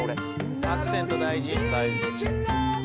アクセント大事！